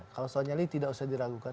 kalau soal nyali tidak usah diragukan